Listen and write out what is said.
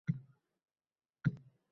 Bekor gap: shoirni jangchi atamoq